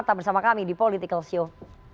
tetap bersama kami di politikalshow